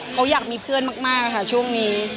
เขาอยากมีเพื่อนมากค่ะช่วงนี้